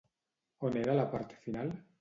On era la part final?